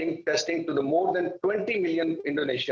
menyediakan ujian untuk lebih dari dua puluh juta orang di indonesia